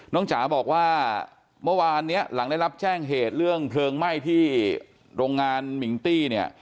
จ๋าบอกว่าเมื่อวานเนี้ยหลังได้รับแจ้งเหตุเรื่องเพลิงไหม้ที่โรงงานมิงตี้เนี่ย